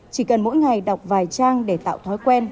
chỉ cần mỗi ngày đọc vài trang để tạo thói quen